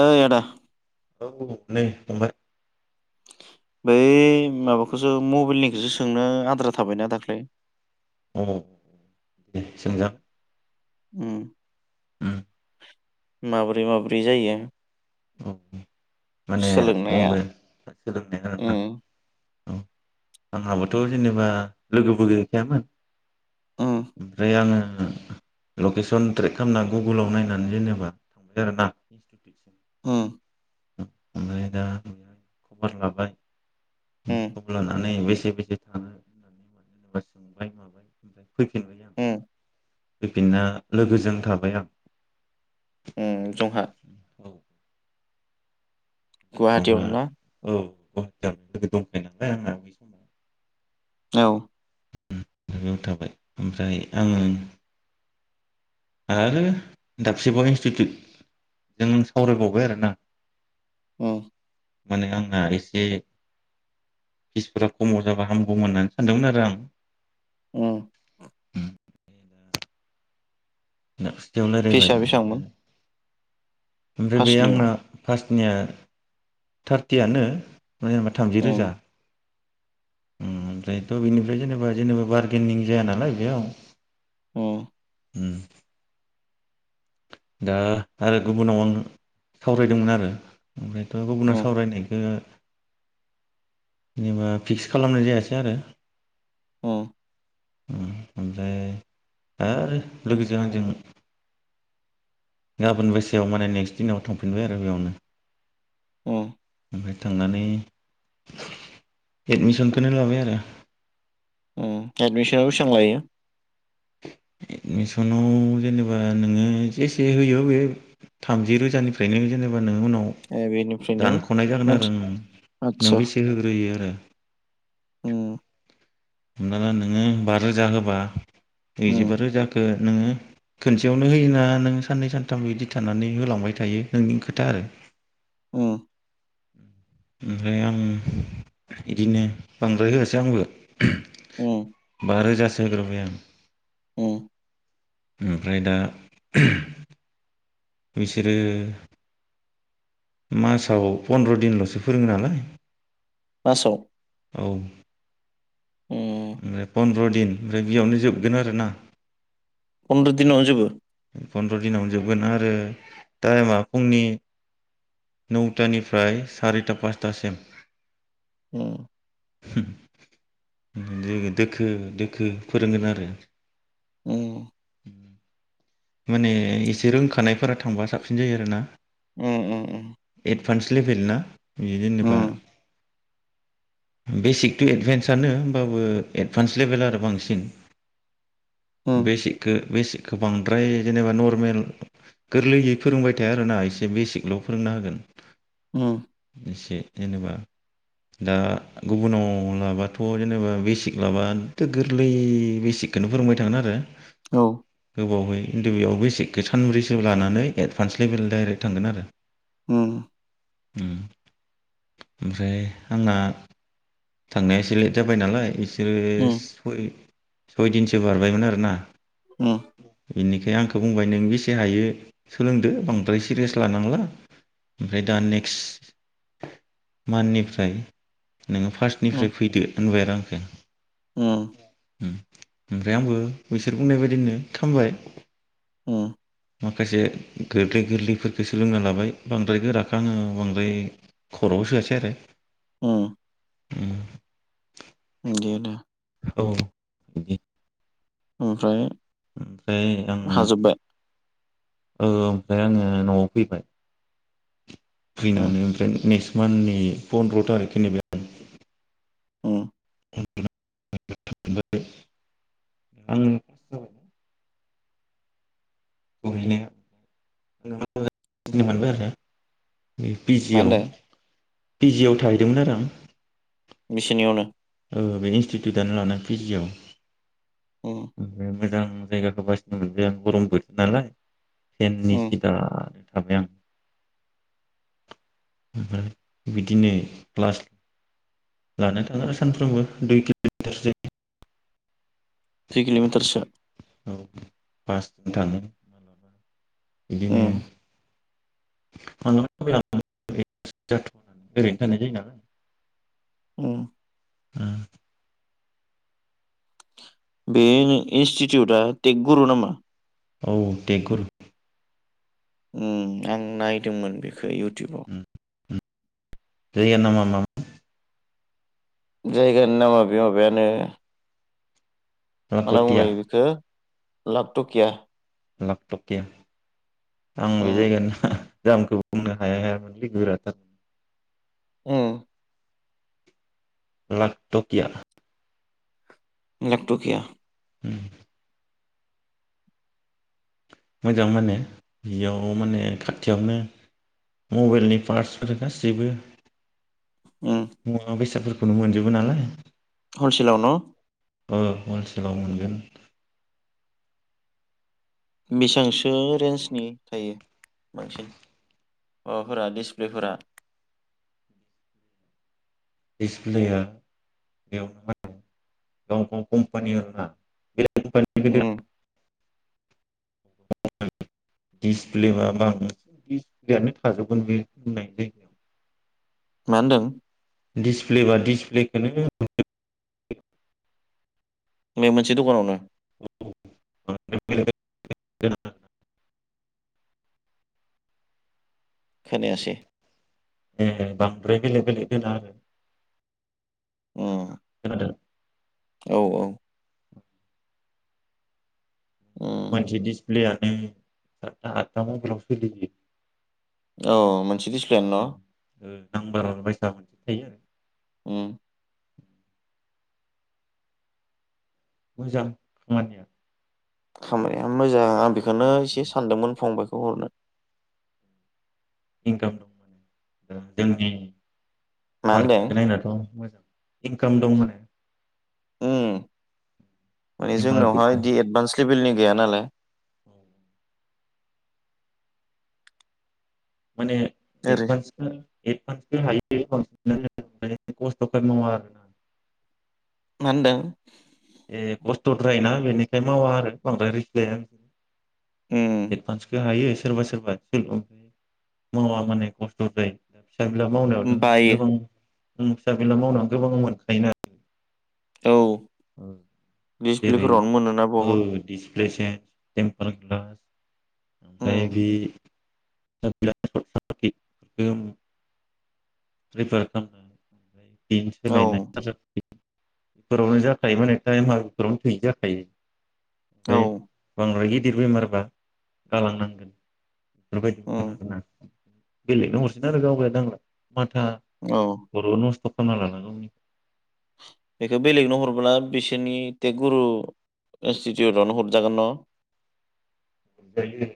ओइ आदा औ बुं नै फंबाय बै माबाखौसो मबिलनिखौसो सोंनो आद्रा थाबायना दाख्लै। औ दे सोंजां उम माब्रै माब्रै जायो। औ माने सोलोंनाया मबेल सोलोंनाया आरो ना। उम आंहाबोथ' जेनेबा लोगोबो गैखायामोन। उम ओमफ्राय आङो ओम लकेसन ट्रेक खालामना गुगोलाव नायनानै जेनेबा जागोनना। ओ। ओमफ्राय दा खबर लाबाय। उम खबर लानानै बेसे बेसे थाङो [unintelligible] फैफिनबाय आं। उम बिदिनो लोगोजों थाबाय आं। ओम जंहा औ गुवाहाटि आव जोंहा ना? औ गुवाहाटियावनो लोगो दंखायो नालाय आंहा बै समाव। औ बे बेयाव थाबाय ओमफ्राय आङो आरो दाबसेबाव इन्स्टिटिउट जों सावरायबावबाय आरोना। ओ माने आंना एसे फिसफोरा खमाव जाबा हामगौमोन होननानै सानदोंमोन आरो आं। ओ [unintelligible] राय्लायबाय फिसआ बेसेबांमोन ओमफ्राय ओमफ्राय बे आंना फार्स्टनियाव निया थारथियानो। मे होनेबा थामजि रोजा। उम ओमफ्रायथ' बेनिफ्राय जेनेबा जेनेबा बार्गेनिं जाया नालाय बेयाव ओं उम दा आरो गुबुनाव आं सावरायदोंमोन आरो ओमफ्रायथ' गुबुुनना उम सावरायनायखो जेनेबा फिक्स खालामनाय जायासै आरो ओम ओमफ्राय आरो लोगोजों आंजों गाबोन बायसेआव माने नेक्स्ट दिनाव थांफिनबाय आरो बेयावनो। ओम ओमफ्राय थांनानै एडमिसनखौनो लाबाय आरो ओम एडमिसन बेसेबां लायो? एडमिसनाव जेनेबा नोङो जेसे होयो बे थामजि रोजानिफ्रायनो जेनेबा नोंनि उनाव ए बेनिफ्रायनो दानख'नाय जागोन मानसि आरों नों आदसा बेसे होग्रोयो आरो उम हमनाला नोङो बा रोजा होबा उम नैजिबा रोजाखौ नोङो खोन सेयावनो होयोना नों साननै सानथाम बिदि थानानै होलांबाय थायो नोंनि खोथा आरो उम ओमफ्राय आं बिदिनो बांद्राय होआसै आंबो उम बा रोजा सो होग्रोबाय आं उम ओमफ्राय दा बिसोरो मासाव पन्द्र' दिनल'सो फोरोङो नालाय। मासाव। उम ओफ्राय फन्द्र'नि दिन ओमफ्राय बेयावनो जोबगोन आरो ना फन्द्र' दिनावनो जोबो फन्द्र दिनावनो जोबगोन आरो टाइमा फुंनि नौथानिफ्राय सारिता पासथासिम उम दोखो दोखो फोरोंगोन आरो उम उम माने एसे रोंखानायफोरा थांबा साबसिन जायो आरो ना उम उम उम एडभान्स लेभेल ना बि उम जेनेबा बेसिकथ' एडभान्सआनो होमबाबो एडभान्स लेभेल आरो बांसिन उम बेसेखो बेसिकखौ बांद्राय जेनेबा नरमेल गोरलैयै फोरोंबाय थाया आरोना एसे बेसिकल' फोरोंना होगोन उम एसे जेनेबा दा गुबुनाव लाबथ' जेनेबा बेसिक लाबथ' गोरलै बेसिकखौनो फोरोंबाय थागोन आरो औ गोबावहै खिन्थु बेयावबो बेसेख सानब्रैसो लानानै एडभान्स लेभेल दडाइरेक्ट थांगोन आरो ओ उम ओमफ्राय आङा थांनाया एसे लेट जाबाय नालाय ओ सय उम सयदिन बारबायमोन आर ना उम बेनिखाय आंखौ बुंबाय नों बेसे हायो सोलोंदो बांद्राय सिरियास लानांला ओमफ्राय दा नेक्स्ट मान्थनिफ्राय नोङो उम निफ्राय फैदो होनबाय आरोआंखो उम उम ओमफ्राय आंबो बैसोर बुंनाय बायदिनो खामबाय ओ माखासे गोरलै गोरलैफोरखौ सोलोंना लाबाय बांद्राय गोराख आङो बांद्राय खर'आव सोआसै आरो ओ उम दे दे औ ओमफ्राय ओमफ्राय आङो हाजोब्बाय औ ओमफ्राय आङो न'आव फैबाय उम फैनानै ओमफ्राय ने माननि पन्द्र' थारिखखौ नेबाय आं उम [unintelligible] सहैनाया नो मोनबाय आरो पि मा जियाव होनदों पि जि थाहैदोंमोन आरो आं बिसिनियावनो औ बे इन्स्टिटिउटनो लान पि जिआव उम ओमफ्राय मोजां जायगाखौ बासिनो मोनबाय आं गरम बोथोर नालाय फेननि उम सिटानो थाबाय आं ओमफ्राय बिदिनो क्लास लानो थाङ आरो सानफ्रोमबो दुइ किल'मिटार जायो दुइ किल'मिटारसो औ बासजों थाङो माब्लाबा बिदिनो उम [unintelligible] थानाय जायो नालाय उम ओ बेनो इन्स्टिटिउटआ टेगगुरु नामा? औ टेंगुर आं नायदोंमोन बेखौ इउटुब उम उम जैयामाम जायगानि नामा बेम बेानो मान बुं लाख'टिया लै बिखौ लाभटकिया लाखटकिया आं बे उम जायगाया [unintelligible] नामखौ बुंनो हाया हायाामोन लोगो गोराथार ओम लाखटकि लाटकिया उम मोजां होनो बेयाव माने खाथियावनो मबाइलनि पार्टसफोर गासैबो उम मुवा बेसादफोरख खौनो मोनजोबो नालाय हलसेलाव न' [unintelligible] गाव मोनगोन बेसेबांसो रेन्जनि थायो मानसिन माबाफोरा डिसप्लेफोरा दिसप्लेया बेयावनो म गाव गाव कम्पानि आरो ना बिराद उम दिसप्लेम ब दिसप्लेयानो थाजोबगोन बे होननाय जायगायाव मा होनदों दिसप्ले बा दिसप्लेखौनो [unintelligible] बे मोनसे दखानावनो [unintelligible] खोनायासै ए बांद्राय बेलेक बेलेक गला आरो अम खोनादों औ औ उम मोनसे दिडिसप्लेयानो सातथा आदथा मबेलाव सोलियो औ मोन से दिसप्लेयानो न नां बार बायसा मोनसे थायो आरो उम मोजां खामानिया खामानिया मोजां आ बेखौनो एसे सानदोंमोन फंबायखौ गरनो [unintelligible] इनकाम दंमोन जोंनि मा होनदों मार्केटखौ नायनाथ' मोजां इनकाम दं होने [unintelligible] उम माने जोंनावहाय दि एदभान्स सिभिलनि गैया नालाय औ माने ओरै एदभान्स [unintelligible] [unintelligible] खस्थ'थार नङा मा होनदों ए खस्थ'द्रायोना बेनिखाय मावा आरो बांद्राय रिसक लाया उम एडभान्सखौ हायो सोरबा सोरबा सि मावा मेने खस्थ' जायो फिसा फिला मावनायावनो बायो गोबां फिसा फिला मावनानै गोबां मोनखायो ना औ दिसप्लेफोरावनो मोनोना बहुद एसे [unintelligible] ओमफ्राय उम बि [unintelligible] खैफोरारख न [unintelligible] बेनो औ सोलायनाय फोरावनो जाखायोमोने तायमाफोरावनो थो जाखायो [unintelligible] औ ओमफ्राय बांद्रायगि गिदिर बेमारब्ला गालांनांगोन बेफोरबायदिबोमोन उम आरोना बेलेगनो हरसिगोन आरो गावगाया दांला माथा औ बर' नख [unintelligible] खालामना‌ लाबा गावनिखौ बेखौ बेलेगनो हरोबब्ला बिसोरनि टेकगुरु इनस्टिटिउटवनो हरजागोन न हरजायो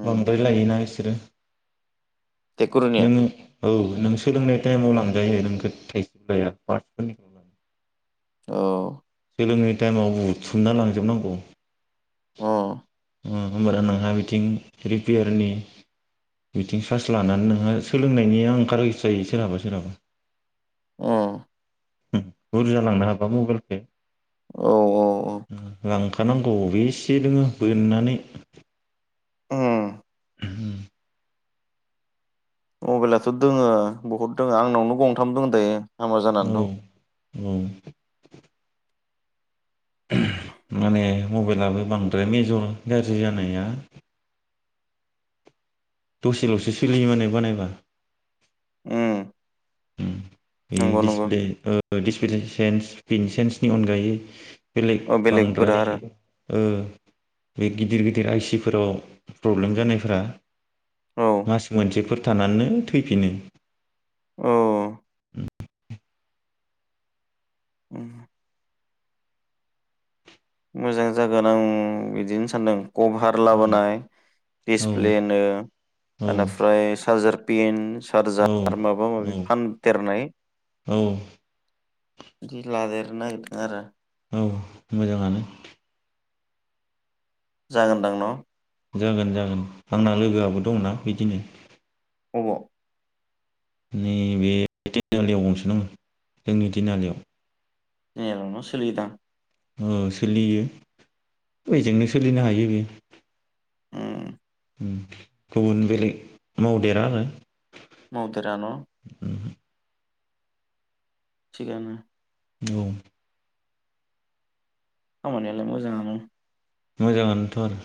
उम बांद्राय लायोना इसोरो टेकगुरुनिया नों औ नों सोलोंनाय टाइमाव लांजायो नोंखौ थाइसेबो लाया पार्टसफोरनिखौङो। औ। लोंङै टायमाव हुथुमना लांजोबनांगौ। अ। उम होमबाना नोंहा बिथिं रिपेयारनि बिथिं सार्स लानानै नोंहा सोलोंनायनि ओंखारहैस्रायोयो सोरहाबा सोरहाबा। अ। बुरजालांनो हाबा मबाइलखो। औ औ औ उम लां खा नांगौ बेसे दोङो बोननानै ओं। मबाइलाथ' दोङो बहुद दोङो आंनावनो गंथाम दङो दायो। हामा जानानै औ दं औ। माने मबाइलाबो बांद्राय मेजर गाज्रि जानाया दसेल'सो सोलियो माने बानायबा। उम। उम। बे‌ नंगौ नंगौ दिसप्ले‌ ओ दिस फ्ले सेन्सनि अनगायै बेलेग औ बेलेगफोरा बांद्राय आरो ओ बे गिदिर गि गिदेर आइसिफोराव प्रब्लेम जानायफोरा औ मास मोनसेफोर थानानैनो थैफिनो‌। औ। उम मोजां जागोन आं बिदिनो सानदों। कभार उम लाबोनाय औ दिसप्लेनो औ ओनिफ्राय चार्जार पेन्स औ सार्जार माबा औ माबि फानदेरनाय औ इदि लादेरनो नागिरदो आरो। औ मोजाङानो। जागोनदां न'। जागोन जागोन आंना लोगोआबो दंना बिदिनो। अबाव? नै बे तिनआलियाव गंसे दंङो जोंनि तिनआलियाव। ए बावनो सोलियोदां? औ सोलियो बेजोंनो सोलिनो हायो बि। उम गुबुन बेलेग मावदेरा आरो। मावदेरा न'? उम थिगानो‌। औ। खामानियालाय मोजांङानो। मोजाङानोथ' आरो।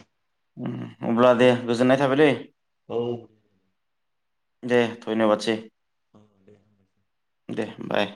अब्ला दे गोजोननाय थाबायलै। औ। दे धन्यबादसै औ दे दे बाय